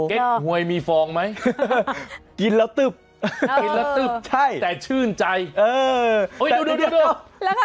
เก๊กมวยมีฟองไหมกินแล้วตึบแต่ชื่นใจแล้วข้างหลัง